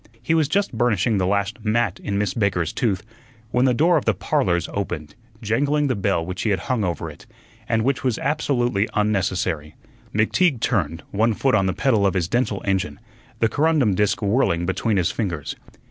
He was just burnishing the last "mat" in Miss Baker's tooth, when the door of the "Parlors" opened, jangling the bell which he had hung over it, and which was absolutely unnecessary. McTeague turned, one foot on the pedal of his dental engine, the corundum disk whirling between his fingers.